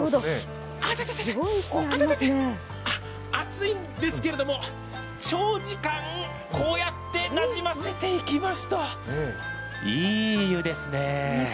あちちっ、あちちっ、熱いんですけれども、長時間こうやってなじませていきますといい湯ですね。